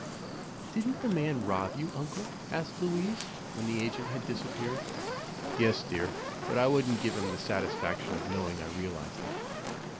"Didn't the man rob you, Uncle?" asked Louise, when the agent had disappeared. "Yes, dear; but I wouldn't give him the satisfaction of knowing I realized it."